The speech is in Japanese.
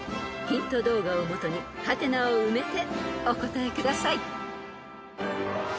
［ヒント動画をもとに「？」を埋めてお答えください］